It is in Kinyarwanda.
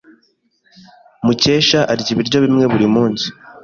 Mukesha arya ibiryo bimwe buri munsi.